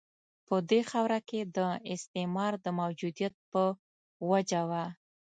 په دې خاورو کې د استعمار د موجودیت په وجه وه.